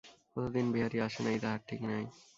কতদিন বিহারী আসে নাই, তাহার ঠিক নাই।